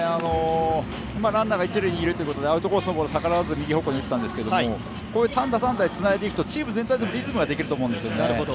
ランナーが一塁にいるということでアウトコースの球を逆らわずに右方向に打ったんですけれども、こういう単打、単打でつないでいくとチーム全体でリズムができると思うんですよね。